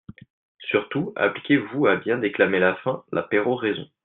Surtout appliquez-vous à bien déclamer la fin, la péroraison.